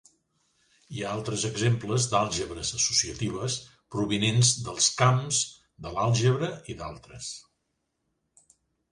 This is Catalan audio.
Hi ha altres exemples d'àlgebres associatives provinents dels camps de l'àlgebra i d'altres.